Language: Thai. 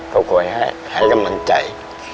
เขากลัวให้ให้กำลังใจ